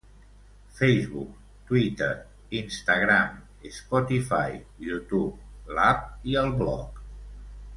Facebook, Twitter, Instagram, Spotify, Youtube, l'app i el blog.